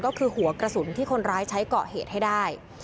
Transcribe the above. ก็คือหัวกระสุนที่คนร้ายใช้เกาะเหตุให้ได้